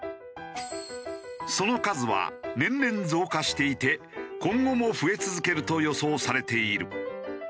その数は年々増加していて今後も増え続けると予想されている。